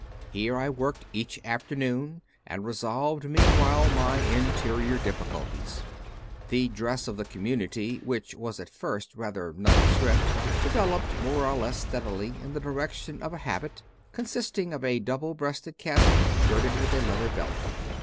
Here I worked each afternoon and revolved meanwhile my interior difficulties. The dress of the community, which was at first rather nondescript, developed more or less stead ily in the direction of a habit, consisting of a double breasted cassock girded with a leather belt.